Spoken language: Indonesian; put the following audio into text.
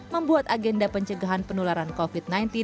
membuat agenda pencegahan penularan covid sembilan belas